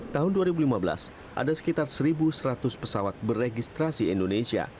tahun dua ribu lima belas ada sekitar satu seratus pesawat beregistrasi indonesia